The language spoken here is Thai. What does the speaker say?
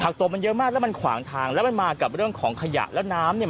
ตกมันเยอะมากแล้วมันขวางทางแล้วมันมากับเรื่องของขยะแล้วน้ำเนี่ย